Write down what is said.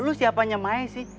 lo siapanya mai sih